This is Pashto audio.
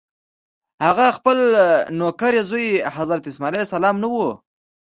هغه خپل نوکرې زوی حضرت اسماعیل علیه السلام نه و.